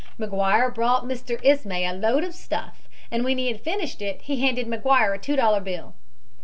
"McGuire brought Mr. Ismay a load of stuff and when he had finished it, he handed McGuire a two dollar bill.